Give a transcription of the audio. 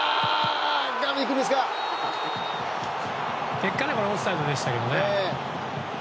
結果オフサイドでしたけどね。